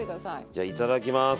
じゃあいただきます。